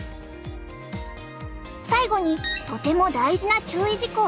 最後にとても大事な注意事項。